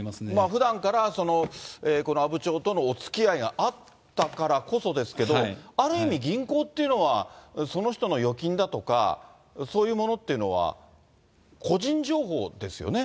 ふだんから、この阿武町とのおつきあいがあったからこそですが、ある意味、銀行っていうのは、その人の預金だとか、そういうものっていうのは、個人情報ですよね。